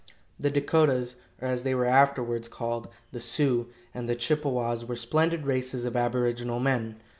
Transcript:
The Dakotas (or as they were afterwards called, the Sioux) and the Chippewas were splendid races of aboriginal men.